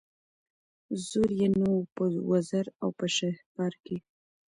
زور یې نه وو په وزر او په شهپر کي